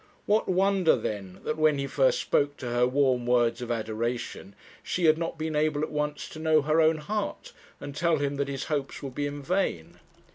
What wonder then that when he first spoke to her warm words of adoration, she had not been able at once to know her own heart, and tell him that his hopes would be in vain?